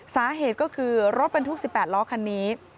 สาเหตุก็คือรถบรรทุก๑๘ล้อคันนี้